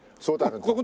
そうだね。